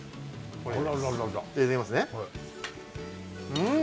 うん！